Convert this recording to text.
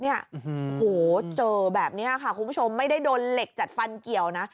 โอ้โหเจอแบบนี้ค่ะคุณผู้ชมไม่ได้โดนเหล็กจัดฟันเกี่ยวนะ